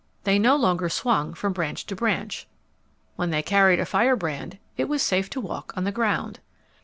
They no longer swung from branch to branch. When they carried a firebrand, it was safe to walk on the ground.